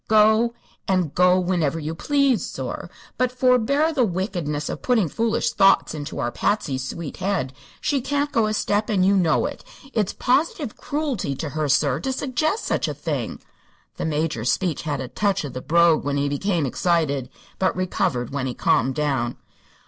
Go; and go whinever you please, sor; but forbear the wickedness of putting foolish thoughts into our Patsy's sweet head. She can't go a step, and you know it. It's positive cruelty to her, sir, to suggest such a thing!" The Major's speech had a touch of the brogue when he became excited, but recovered when he calmed down.